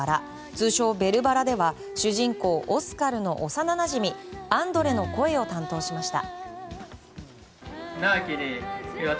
通称「ベルばら」では主人公オスカルの幼なじみアンドレの声を担当しました。